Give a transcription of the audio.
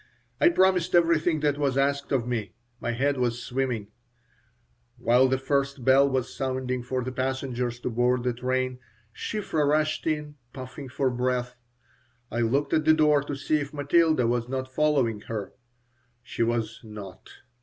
I promised everything that was asked of me. My head was swimming While the first bell was sounding for the passengers to board the train, Shiphrah rushed in, puffing for breath. I looked at the door to see if Matilda was not following her. She was not.